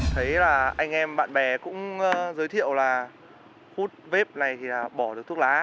thấy là anh em bạn bè cũng giới thiệu là hút vếp này thì bỏ được thuốc lá